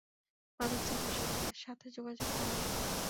মাধব সিংয়ের সাথে যোগাযোগ করাও।